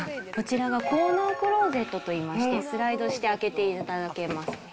こちらはコーナークローゼットといいまして、スライドして開けていただけます。